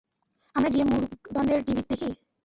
আমরা গিয়ে মুরুগানদের টিভিতে দেখি?